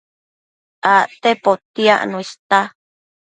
Acte potiacno ista